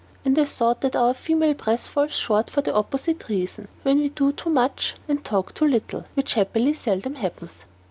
And I thought that our female breath falls short for the very opposite reason when we do too much and talk too little; which happily seldom happens.